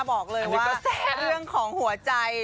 บอกเลยว่าเรื่องของหัวใจ